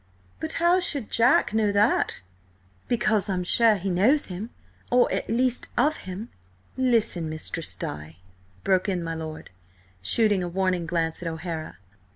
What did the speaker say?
"But how should Jack know that?" "Because I am sure he knows him–or, at least, of him." "Listen, Mistress Di," broke in my lord, shooting a warning glance at O'Hara.